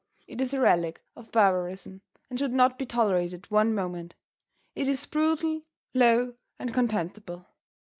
It is a relic of barbarism and should not be tolerated one moment. It is brutal, low and contemptible.